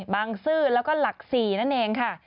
บางซื้อแล้วก็หลักศรีนั่นเองค่ะ